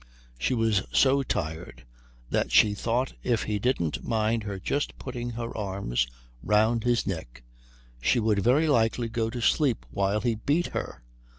She was so tired that she thought if he didn't mind her just putting her arms round his neck she would very likely go to sleep while he beat her.